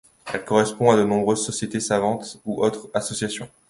Elle correspond avec de nombreuses sociétés savantes ou autres associations.